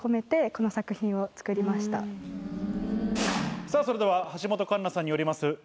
さぁそれでは橋本環奈さんによります